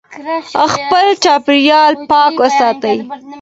خپل چاپېريال پاک وساتئ.